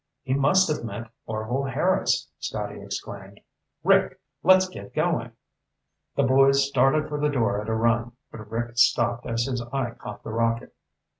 "He must have meant Orvil Harris!" Scotty exclaimed. "Rick, let's get going!" The boys started for the door at a run, but Rick stopped as his eye caught the rocket.